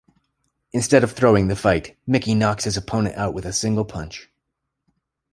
Instead of throwing the fight, Mickey knocks his opponent out with a single punch.